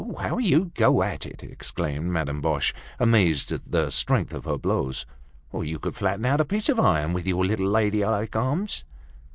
"How you go at it!" exclaimed Madame Boche, amazed at the strength of her blows. "You could flatten out a piece of iron with your little lady like arms."